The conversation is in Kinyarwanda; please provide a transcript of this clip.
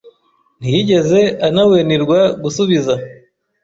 ntiyigeze anawenirwa gusubiza.